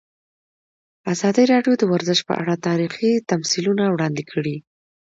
ازادي راډیو د ورزش په اړه تاریخي تمثیلونه وړاندې کړي.